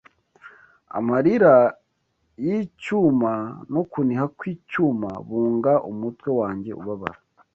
Amarira y'icyuma no kuniha kw'icyuma Bunga umutwe wanjye ubabara